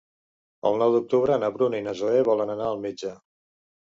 El nou d'octubre na Bruna i na Zoè volen anar al metge.